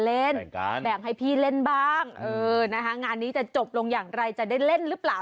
แบ่งให้พี่เล่นบ้างเออนะคะงานนี้จะจบลงอย่างไรจะได้เล่นหรือเปล่า